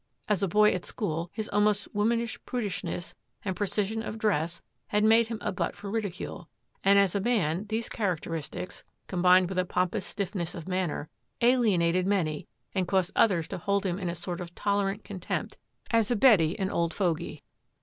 As a boy at school his almost womanish prudishness and precision of dress had made him a butt for ridicule, and as a man these characteristics, combined with a pompous stiffness of manner, alienated many and caused others to hold him in a sort of tolerant contempt as a betty and old fogy.